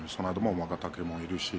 若隆景もいるし。